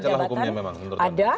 celah hukumnya memang menurut anda